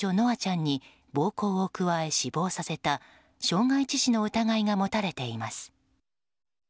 空ちゃんに暴行を加え死亡させた傷害致死の疑いが持たれています。